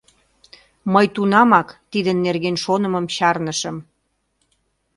Мый тунамак тидын нерген шонымым чарнышым.